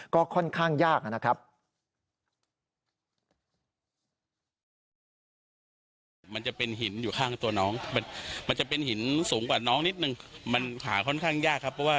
ก็ค่อนข้างยากนะครับ